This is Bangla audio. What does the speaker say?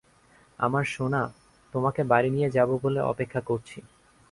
আমার সোনা, তোমাকে বাড়ি নিয়ে যাবো বলে অপেক্ষা করছি।